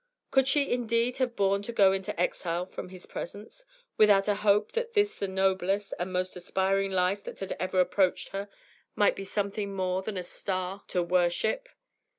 Could she indeed have borne to go into exile from his presence, without a hope that this the noblest and most aspiring life that had ever approached her might be something more than a star to worship?